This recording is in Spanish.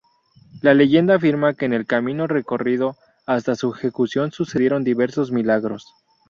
La leyenda afirma que en el camino recorrido hasta su ejecución sucedieron diversos milagros.